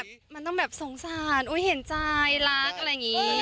ทำไมอ่ะหันมาปุ๊บเฮ้ยเฮ้ย